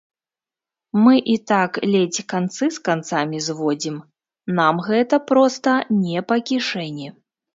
Мы і так ледзь канцы з канцамі зводзім, нам гэта проста не па кішэні.